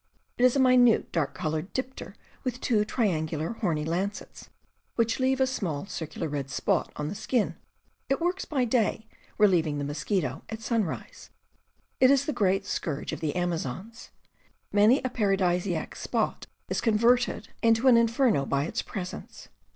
It is a minute, dark colored dipter with two triangular, horny lancets, which leave a small, circular red spot on the skin. It works by day, relieving the mosquito at sunrise. It is the great scourge of the Amazons. Many a paradisaic spot is converted into an inferno by its presence.